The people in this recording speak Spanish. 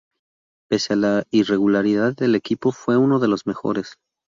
Pese a la irregularidad del equipo, fue uno de los mejores.